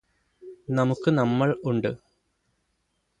നമുക്ക് നമ്മൾ ഉണ്ട്